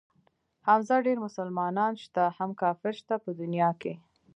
حمزه ډېر مسلمانان شته هم کافر شته په دنيا کښې.